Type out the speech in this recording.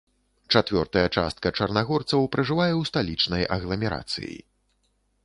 Чацвёртая частка чарнагорцаў пражывае ў сталічнай агламерацыі.